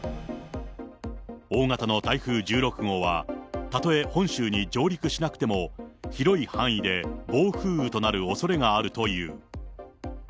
大型の台風１６号は、たとえ本州に上陸しなくても、広い範囲で暴風雨となるおそれがあるという。